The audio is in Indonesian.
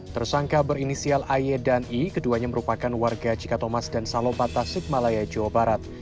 tersangka berinisial ay dan i keduanya merupakan warga jika thomas dan salobata tasik malaya jawa barat